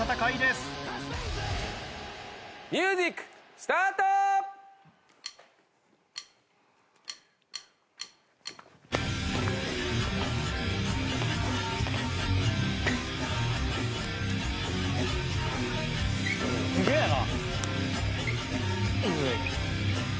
すげえな。